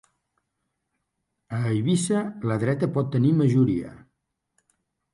A Eivissa la dreta pot tenir majoria.